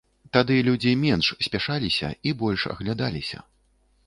Тады людзі менш спяшаліся і больш аглядаліся.